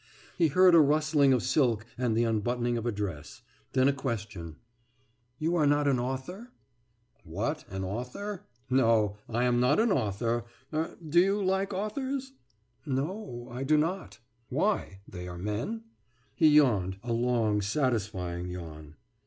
He heard a rustling of silk and the unbuttoning of a dress, then a question: »You are not an author?« »What ... an author? No, I am not an author. Er ... do you like authors?« »No, I do not.« »Why? They are men....« He yawned a long satisfying yawn.